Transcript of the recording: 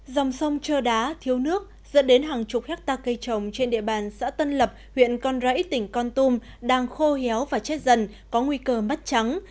dòng sông trơ đá thiếu nước dẫn đến hàng chục hectare cây trồng trên địa bàn xã tân lập huyện con rẫy tỉnh con tum đang khô héo và chết dần có nguy cơ mất trắng